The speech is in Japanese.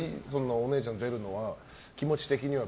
お姉ちゃんと出るのは気持ち的には。